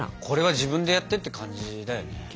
これは自分でやってって感じだよね。